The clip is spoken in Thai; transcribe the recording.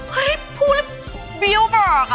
เฮ้ยพูดแบบบิโอเบิร์กอะ